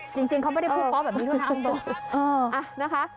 จริงเขาไม่ได้พูดพอแบบนี้ด้วยนะอังตอบ